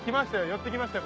寄ってきましたよ